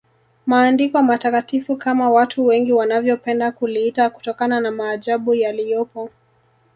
Maandiko Matakatifu kama watu wengi wanavyopenda kuliita kutokana na maajabu yaliyopo